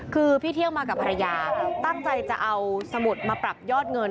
คือพี่เที่ยวมากับภรรยาตั้งใจจะเอาสมุดมาปรับยอดเงิน